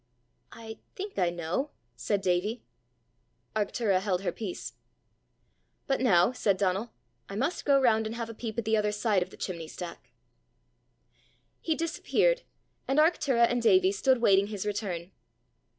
"I think I know," said Davie. Arctura held her peace. "But now," said Donal, "I must go round and have a peep at the other side of the chimney stack." He disappeared, and Arctura and Davie stood waiting his return.